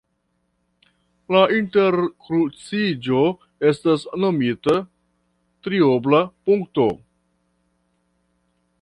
La interkruciĝo estas nomita triobla punkto.